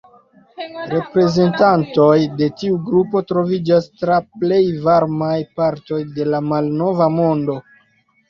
Reprezentantoj de tiu grupo troviĝas tra plej varmaj partoj de la Malnova Mondo.